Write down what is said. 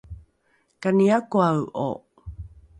kani akoae’o?